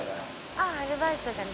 あぁアルバイトがね。